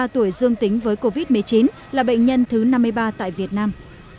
ba mươi tuổi dương tính với covid một mươi chín là bệnh nhân thứ năm mươi ba tại việt nam